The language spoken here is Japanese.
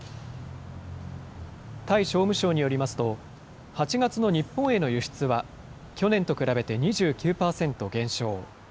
タイ商務省によりますと、８月の日本への輸出は、去年と比べて２９％減少。